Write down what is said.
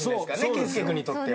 圭佑君にとっては。